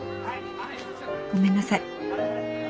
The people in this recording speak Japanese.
ごめんなさい。